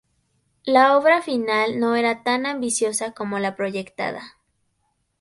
La obra final no era tan ambiciosa como la proyectada.